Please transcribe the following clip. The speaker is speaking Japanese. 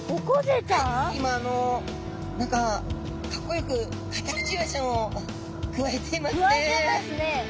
今あの何かかっこよくカタクチイワシちゃんをくわえていますね。